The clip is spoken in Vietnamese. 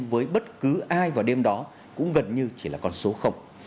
với bất cứ ai vào đêm đó cũng gần như chỉ là con số